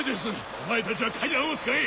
お前たちは階段を使え！